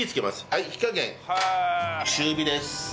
はい火加減中火です。